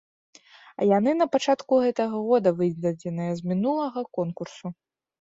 Яны на пачатку гэтага года выдадзеныя, з мінулага конкурсу.